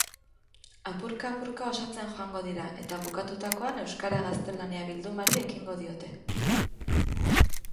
Apurka-apurka osatzen joango dira, eta bukatutakoan euskara-gaztelania bildumari ekingo diote.